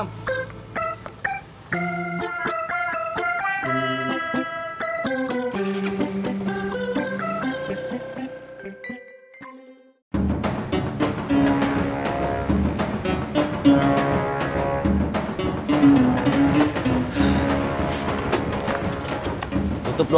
masih belum nyanyi sekali